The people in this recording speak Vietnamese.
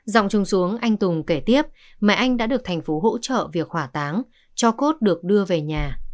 dòng trùng xuống anh tùng kể tiếp mẹ anh đã được thành phố hỗ trợ việc hỏa táng cho cốt được đưa về nhà